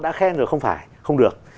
đã khen rồi không phải không được